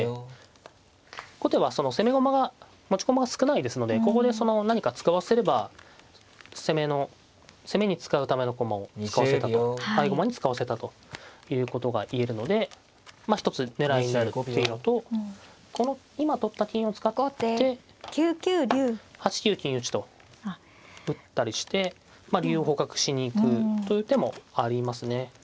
後手は攻め駒が持ち駒が少ないですのでここで何か使わせれば攻めに使うための駒を使わせたと合駒に使わせたということが言えるので一つ狙いになるっていうのとこの今取った金を使って８九金打と打ったりして竜を捕獲しに行くという手もありますね。